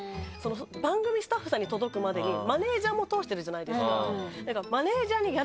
番組スタッフさんに届くまでにマネジャーも通してるじゃないですか。